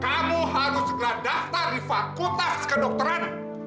kamu harus segera daftar di fakultas kedokteran